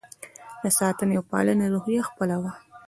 د ساتنې او پالنې روحیه خپله وه.